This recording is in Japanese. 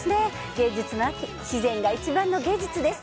芸術の秋、自然が一番の芸術です。